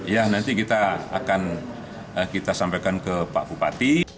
ya nanti kita akan kita sampaikan ke pak bupati